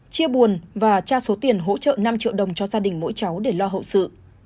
chia buồn và trao số tiền hỗ trợ năm triệu đồng cho gia đình mỗi cháu để lo hậu sự